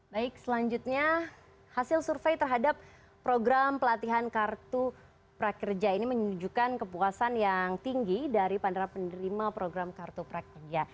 baik selanjutnya hasil survei terhadap program pelatihan kartu prakerja ini menunjukkan kepuasan yang tinggi dari pandara penerima program kartu prakerja